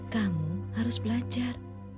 kamu harus belajar